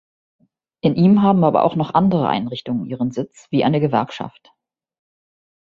In ihm haben aber auch noch andere Einrichtungen ihren Sitz wie eine Gewerkschaft.